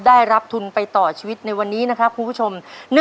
ได้รับทุนไปต่อชีวิตในวันนี้นะครับคุณผู้ชม